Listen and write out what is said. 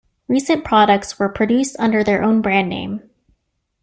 Recent products were produced under their own brand name.